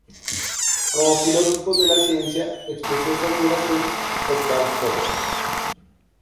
Como filósofo de la ciencia, expresó su admiración por Karl Popper.